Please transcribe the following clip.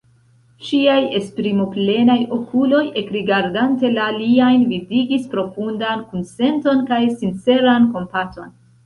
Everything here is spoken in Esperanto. Ŝiaj esprimoplenaj okuloj, ekrigardante la liajn, vidigis profundan kunsenton kaj sinceran kompaton.